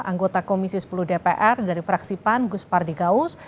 anggota komisi sepuluh dpr dari fraksi pan gus pardi gaus